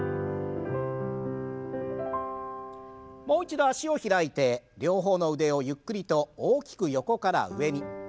もう一度脚を開いて両方の腕をゆっくりと大きく横から上に。